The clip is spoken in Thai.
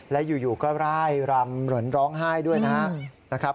และอยู่ก็ร่ายรำเหมือนร้องไห้ด้วยนะครับ